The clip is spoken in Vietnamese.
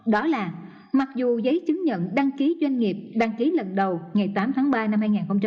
đó là mặc dù giấy chứng nhận đăng ký doanh nghiệp đăng ký lần đầu ngày tám tháng ba năm hai nghìn hai mươi